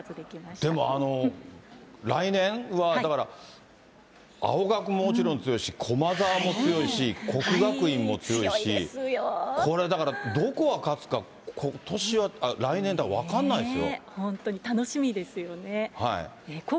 でも来年は、だから、青学ももちろん強いし、駒澤も強いし、国学院も強いし、これ、だから、どこが勝つか、来年は分かんないですよ。